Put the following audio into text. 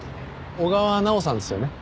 小川奈央さんですよね？